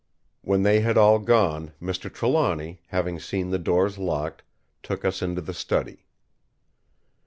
When they had all gone Mr. Trelawny, having seen the doors locked, took us into the study.